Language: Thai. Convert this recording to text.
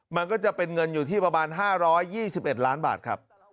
มันก็จะเป็นเงินอยู่ที่ประมาณ๕๒๑ล้านบาทครับ